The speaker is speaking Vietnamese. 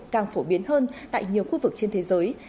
càng phổ biến hơn tại nhiều khu vực trên thế giới